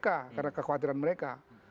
karena kekhawatiran mereka